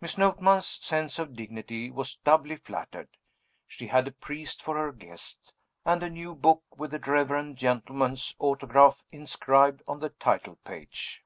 Miss Notman's sense of dignity was doubly flattered. She had a priest for her guest, and a new book with the reverend gentleman's autograph inscribed on the title page.